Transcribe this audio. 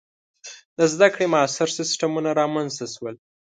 • د زده کړې معاصر سیستمونه رامنځته شول.